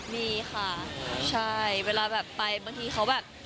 มีค่ะใช่เวลาแบบไปบางทีเขาแบบ